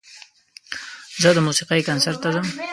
زه د موسیقۍ کنسرت ته ځم.